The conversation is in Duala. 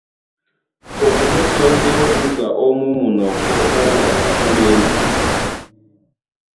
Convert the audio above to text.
A kumó sɔ́ ndé busa ó mú munɔkɔ ó wala ó ɓwěma.